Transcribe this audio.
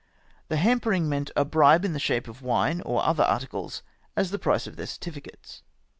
The ' hampering ' meant a bribe in the shape of wine or other articles, as the price of their certificates."